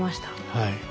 はい。